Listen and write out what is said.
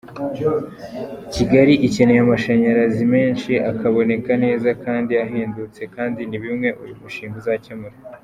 Kigali ikeneye amashanyazi menshi, aboneka neza kandi ahendutse kandi ni bimwe uyu mushinga uzakemura.”